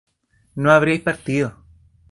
no habríais partido